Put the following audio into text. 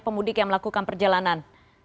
pemudik yang melakukan perjalanan